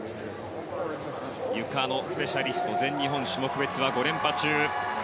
ゆかのスペシャリスト全日本種目別は５連覇中。